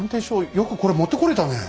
よくこれ持ってこれたねえ。